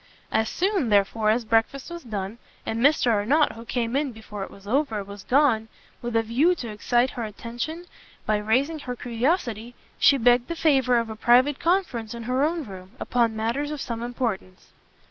As soon, therefore, as breakfast was done, and Mr Arnott, who came in before it was over, was gone, with a view to excite her attention by raising her curiosity, she begged the favour of a private conference in her own room, upon matters of some importance.